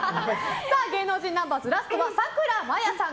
芸能人ナンバーズラストはさくらまやさん